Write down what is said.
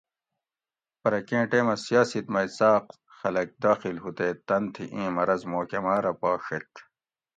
پرہ کیں ٹیمٞہ سیاسِت مئ څاٞق خلک داخِل ہُو تے تن تھی اِیں مرض محکماٞ رہ پا ݭیت